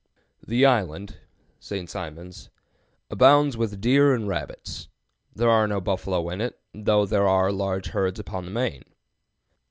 Soc., I, p. 117.] "The island [St. Simon's] abounds with deer and rabbits. There are no buffalo in it, though there are large herds upon the main."